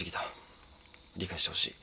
理解してほしい。